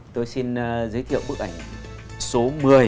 tôi xin giới thiệu bức ảnh số một mươi